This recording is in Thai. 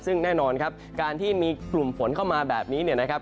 ซึ่งแน่นอนครับการที่มีกลุ่มฝนเข้ามาแบบนี้เนี่ยนะครับ